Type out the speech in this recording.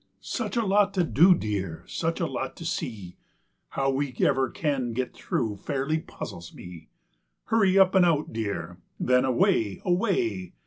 Such a lot to do, dear, Such a lot to see! How we ever can get through Fairly puzzles me. Hurry up and out, dear, Then away! away!